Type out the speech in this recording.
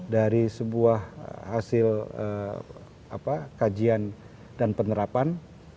dari sebuah hasil kajian dan penerapan